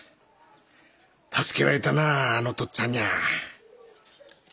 助けられたなぁあのとっつぁんにゃぁ。